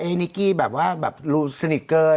เอ๊ะนิกกี้แบบว่าแบบรู้สนิทเกิน